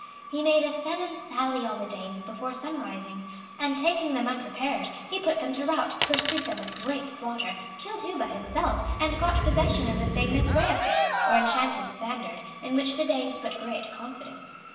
He made a sudden sally on the Danes before sun rising; and taking them unprepared, he put them to rout, pursued them with great slaughter, killed Hubba himself, and got possession of the famous Reafen, or enchanted standard, in which the Danes put great confidence.